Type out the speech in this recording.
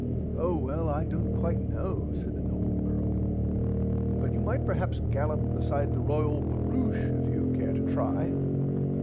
Oh well I dont quite know said the noble earl but you might perhaps gallopp beside the royal baroushe if you care to try.